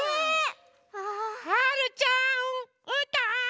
・はるちゃんうーたん！